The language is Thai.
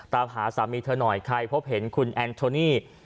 ตามหาสามีเธอหน่อยใครพบเห็นคุณแอนโทนี่